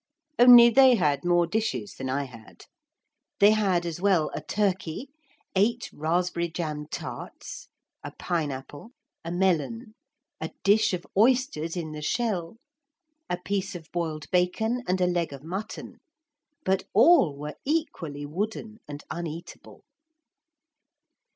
Only they had more dishes than I had. They had as well a turkey, eight raspberry jam tarts, a pine apple, a melon, a dish of oysters in the shell, a piece of boiled bacon and a leg of mutton. But all were equally wooden and uneatable.